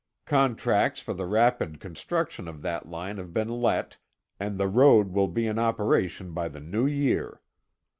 Contracts for the rapid construction of that line have been let, and the road will be in operation by the new year.